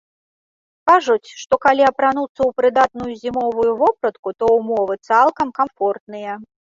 Кажуць, што калі апрануцца ў прыдатную зімовую вопратку, то ўмовы цалкам камфортныя.